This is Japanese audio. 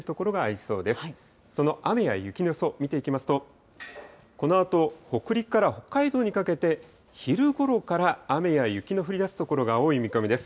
その雨や雪の予想、見ていきますと、このあと、北陸から北海道にかけて、昼ごろから雨や雪の降りだす所が多い見込みです。